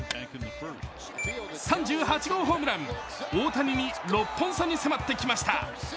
３８号ホームラン、大谷に６本差に迫ってきました。